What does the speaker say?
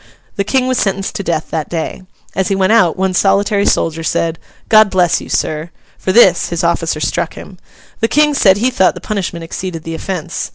The King was sentenced to death that day. As he went out, one solitary soldier said, 'God bless you, Sir!' For this, his officer struck him. The King said he thought the punishment exceeded the offence.